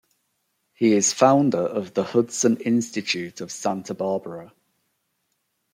He is founder of The Hudson Institute of Santa Barbara.